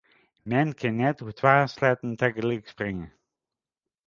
Men kin net oer twa sleatten tagelyk springe.